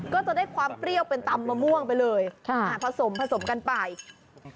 ก็จะได้ความเปรี้ยวเป็นตำมะม่วงไปเลยผสมกันไปค่ะ